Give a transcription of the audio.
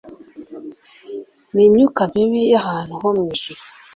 n’imyuka mibi y’ahantu ho mu ijuru”